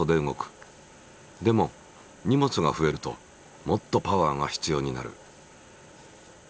でも荷物が増えるともっとパワーが必要になる。